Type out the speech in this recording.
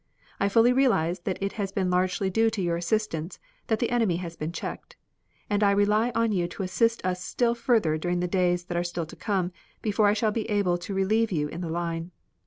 I fully realize that it has been largely due to your assistance that the enemy has been checked, and I rely on you to assist us still further during the few days that are still to come before I shall be able to relieve you in the line.